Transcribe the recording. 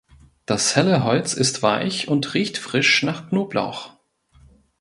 Das helle Holz ist weich und riecht frisch nach Knoblauch.